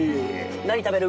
何食べる？